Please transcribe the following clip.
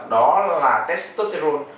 đó là testosterone